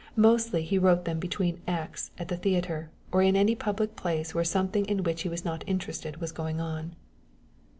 Mostly he wrote them between acts at the theatre, or in any public place where something in which he was not interested was going on.